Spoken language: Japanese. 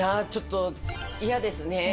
ちょっと嫌ですね。